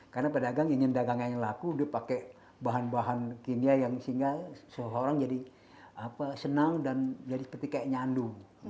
karena pedagang ingin dagang yang laku dia pakai bahan bahan kimia yang sehingga seseorang jadi apa senang dan jadi seperti kayak nyandu